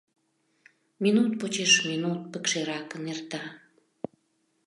Минут почеш минут пыкшеракын эрта.